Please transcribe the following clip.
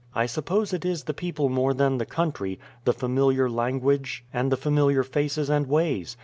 I suppose it is the people more than the country, the familiar language, and the familiar faces and ways.